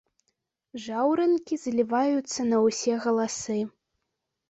Жаўранкі заліваюцца на ўсе галасы.